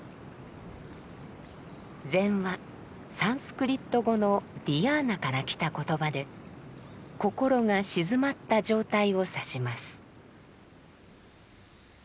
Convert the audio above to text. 「禅」はサンスクリット語の「ディヤーナ」からきた言葉で「心が静まった状態」を指します。